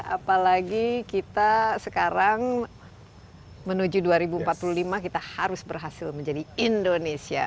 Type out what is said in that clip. apalagi kita sekarang menuju dua ribu empat puluh lima kita harus berhasil menjadi indonesia